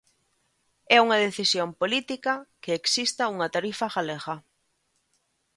É unha decisión política que exista unha tarifa galega.